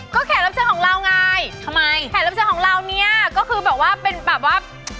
ก็แขนลับเสียงของเราไงแขนลับเสียงของเราเนี่ยก็คือแบบว่าเป็นแบบ